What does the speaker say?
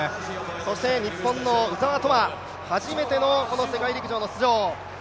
そして日本の鵜澤飛羽初めての世界陸上の出場。